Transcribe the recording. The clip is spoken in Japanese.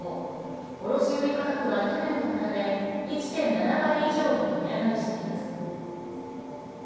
卸売価格は去年と比べ１．７倍以上に値上がりしています。